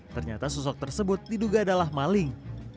ternyata sosok tersebut diduga adalah maling